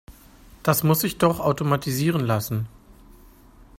Das muss sich doch automatisieren lassen.